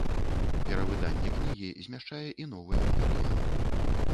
Перавыданне кнігі змяшчае і новыя матэрыялы.